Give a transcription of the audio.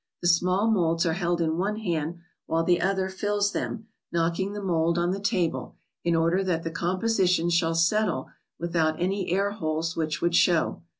The small molds are held in one hand, while the other fills them, knocking the mold on the table, in order that the composition shall settle with¬ out any air holes which would show.